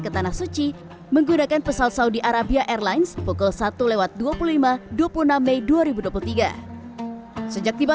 ke tanah suci menggunakan pesawat saudi arabia airlines pukul satu lewat dua puluh lima dua puluh enam mei dua ribu dua puluh tiga sejak tiba